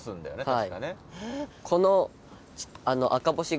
確かね。